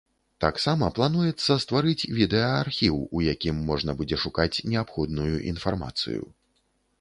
Таксама плануецца стварыць відэаархіў, у якім можна будзе шукаць неабходную інфармацыю.